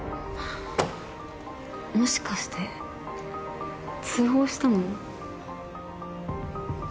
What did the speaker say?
もしかして通報したのお姉さん？